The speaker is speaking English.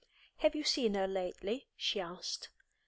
"Have you seen her lately?" she asked.